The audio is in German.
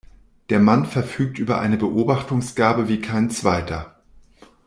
Der Mann verfügt über eine Beobachtungsgabe wie kein zweiter.